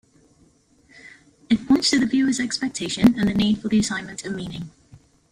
It points to the viewers expectation and the need for the assignment of meaning.